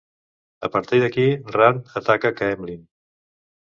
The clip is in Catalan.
A partir d'aquí, Rand ataca a Caemlyn.